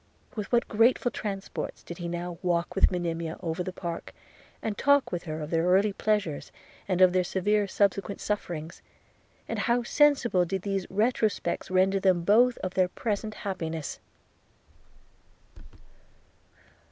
With what grateful transports did he now walk with Monimia over the park, and talk with her of their early pleasures and of their severe subsequent sufferings! and how sensible did these retrospects render them both of their present happiness!